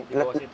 di bawah situ ya